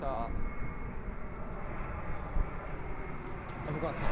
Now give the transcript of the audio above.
虻川さん？